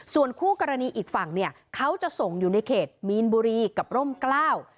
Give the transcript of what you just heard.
ส่วนคู่กรณีอีกฝั่งเนี่ยเขาจะส่งอยู่ในเขตมีนบุรีกับร่มกล้า